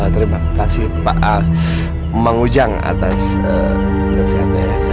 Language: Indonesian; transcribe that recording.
terima kasih pak mang ujang atas kesehatan saya